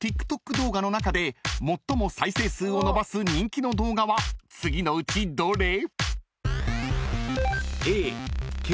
動画の中で最も再生数を伸ばす人気の動画は次のうちどれ？］